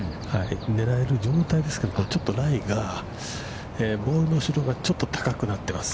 狙える状態ですけど、ちょっとライが、ボールの後ろがちょっと高くなってます。